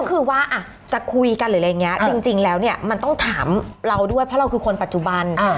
ก็คือว่าจะคุยกันหรืออะไรอย่างนี้จริงแล้วเนี่ยมันต้องถามเราด้วยเพราะเราคือคนปัจจุบัน